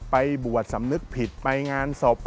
ไปบวชสำนึกผิดไปงานศพ